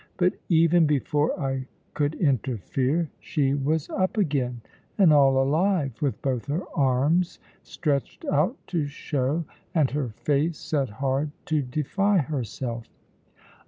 But even before I could interfere, she was up again and all alive, with both her arms stretched out to show, and her face set hard to defy herself.